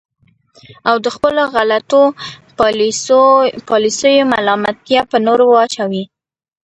او د خپلو غلطو پالیسیو ملامتیا په نورو واچوي.